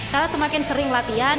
karena semakin sering latihan